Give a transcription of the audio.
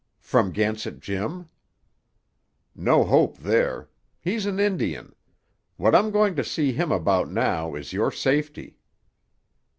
"From Gansett Jim?" "No hope there. He's an Indian. What I'm going to see him about now is your safety."